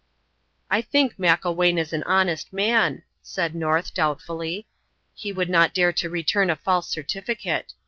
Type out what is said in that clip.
"I think Macklewain is an honest man," said North, doubtfully. "He would not dare to return a false certificate.